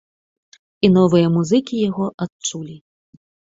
І новыя музыкі яго адчулі.